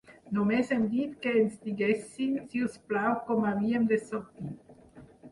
Només hem dit que ens diguessin, si us plau, com havíem de sortir.